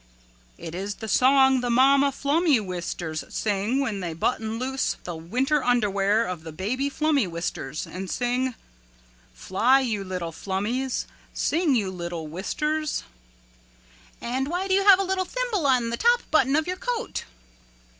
"It is the song the mama flummywisters sing when they button loose the winter underwear of the baby flummywisters and sing: "Fly, you little flummies, Sing, you little wisters." "And why do you have a little thimble on the top button of your coat?"